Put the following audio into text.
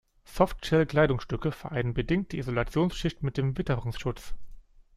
Softshell-Kleidungsstücke vereinen bedingt die Isolationsschicht mit dem Witterungsschutz.